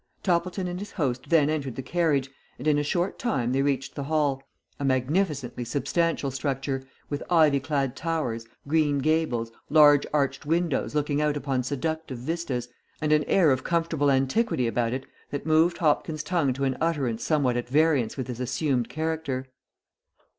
Toppleton and his host then entered the carriage, and in a short time they reached the Hall a magnificently substantial structure, with ivy clad towers, great gables, large arched windows looking out upon seductive vistas, and an air of comfortable antiquity about it that moved Hopkins' tongue to an utterance somewhat at variance with his assumed character.